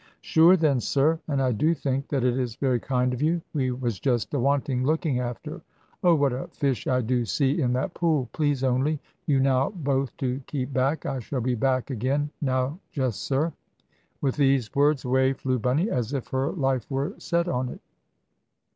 "Sure then, sir, and I do think that it is very kind of you. We was just awanting looking after. Oh what a fish I do see in that pool! Please only you now both to keep back. I shall be back again, now just, sir." With these words away flew Bunny, as if her life were set on it.